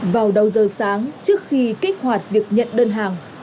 vào đầu giờ sáng trước khi kích hoạt việc nhận đơn hàng